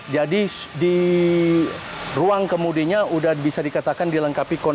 jadi di ruang kemudiannya sudah bisa dikatakan dilengkapi konsumen